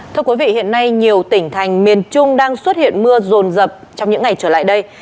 thưa quý vị hiện nay nhiều tỉnh thành miền trung đang xuất hiện mưa rồn rập trong những ngày trở lại đây